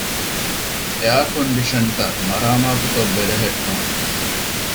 އެއަރ ކޮންޑިޝަންތައް މަރާމާތުކޮށް ބެލެހެއްޓުން